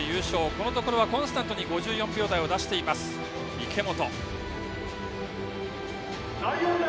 このところはコンスタントに５４秒台を出しています、池本。